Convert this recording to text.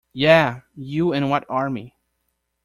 Yeah, you and what army?